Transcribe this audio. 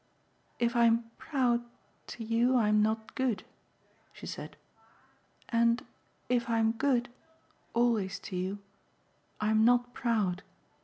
"If I'm proud, to you, I'm not good," she said, "and if I'm good always to you I'm not proud.